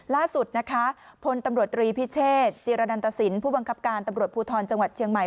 ล่าสุดนะคะพลตำรวจตรีพิเชษจิรนันตสินผู้บังคับการตำรวจภูทรจังหวัดเชียงใหม่